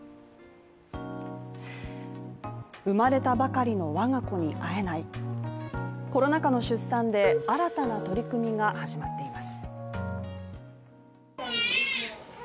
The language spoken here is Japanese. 生まれたばかりの我が子に会えないコロナ禍の出産で新たな取り組みが始まっています。